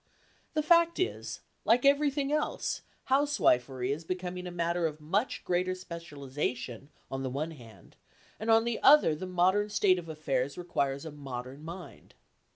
The fact is that, like everything else, housewifery is becoming a matter of much greater specialisation on the one hand, and on the other the modern state of affairs requires a modern mind.